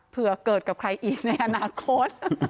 เกิดกับใครอีกในอนาคต